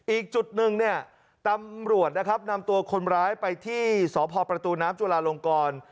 อีกจุดหนึ่งตำรวจนำตัวคนร้ายไปที่สพประตูน้ำจุฬาลงกร